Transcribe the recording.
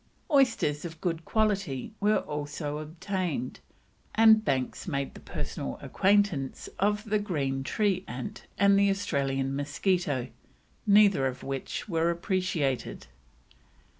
Oysters of good quality were also obtained, and Banks made the personal acquaintance of the green tree ant and the Australian mosquito, neither of which were appreciated.